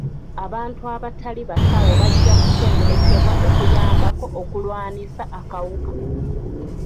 Abantu abatali basawo bajja kutendekebwa okuyambako okulwanisa akawuka.